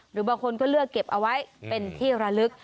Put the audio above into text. หรือบางคนก็เลือกเก็บเอาไว้เป็นที่ระลึก